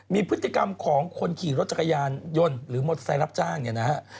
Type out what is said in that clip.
มีพฤติกรรมของคนขี่รถจักรยานยนต์หรือมอเตอร์ไซค์รับจ้างเนี่ยนะฮะ